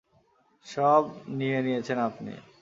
সব নিয়ে নিয়েছেন আপনি!